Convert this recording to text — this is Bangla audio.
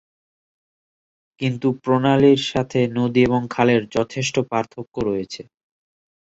কিন্তু প্রণালীর সাথে নদী এবং খালের যথেষ্ট পার্থক্য রয়েছে।